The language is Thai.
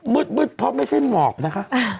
มืดเพราะไม่ใช่หมอกนะคะ